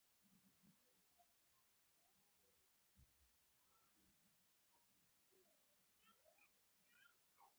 د میلیونونو روپیو غوښتنه کړې وای.